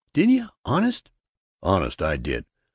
'" "Did you, honest?" "Honest I did.